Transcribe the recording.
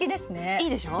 いいでしょう？